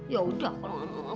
ya udah kalau kamu mau